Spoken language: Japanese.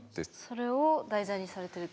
それを題材にされてるって。